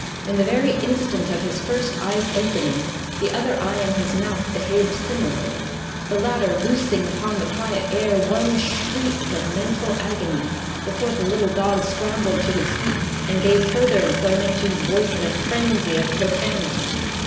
In the very instant of his first eye's opening, the other eye and his mouth behaved similarly, the latter loosing upon the quiet air one shriek of mental agony before the little dog scrambled to his feet and gave further employment to his voice in a frenzy of profanity.